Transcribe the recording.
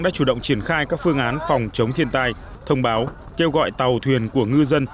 đã chủ động triển khai các phương án phòng chống thiên tai thông báo kêu gọi tàu thuyền của ngư dân